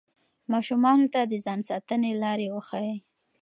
ماشومانو ته د ځان ساتنې لارې وښایئ.